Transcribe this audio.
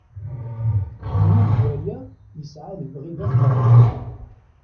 Nnig waya, yesɛa lebɣi d ameqran.